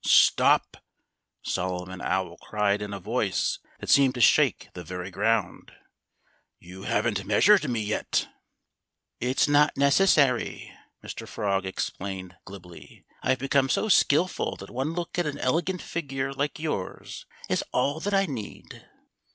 "Stop!" Solomon Owl cried in a voice that seemed to shake the very ground. "You haven't measured me yet!" "It's not necessary," Mr. Frog explained glibly. "I've become so skilful that one look at an elegant figure like yours is all that I need."